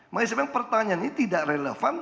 maksud saya pertanyaannya tidak relevan